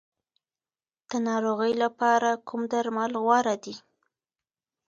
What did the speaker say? د ناروغۍ لپاره کوم درمل غوره دي؟